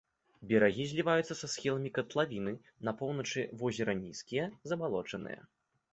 Берагі зліваюцца са схіламі катлавіны, на поўначы возера нізкія, забалочаныя.